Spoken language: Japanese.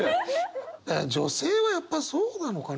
女性はやっぱそうなのかな。